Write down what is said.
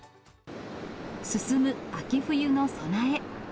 進む秋冬の備え。